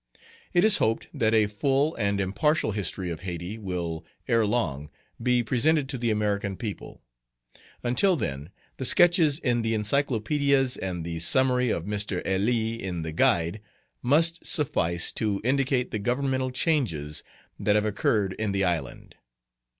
It is hoped that a full and impartial history of Hayti will, erelong, be presented to the American people; until then, the sketches in the encyclopedias and the summary of Mr. Elie in "The Guide," must suffice to indicate the governmental changes that have occurred in the island.